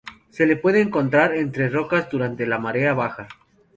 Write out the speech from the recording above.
Se le puede encontrar entre rocas durante la marea baja.